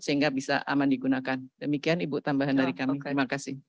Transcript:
sehingga bisa aman digunakan demikian ibu tambahan dari kami terima kasih